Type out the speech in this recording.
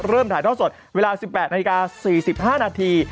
ถ่ายท่อสดเวลา๑๘นาฬิกา๔๕นาที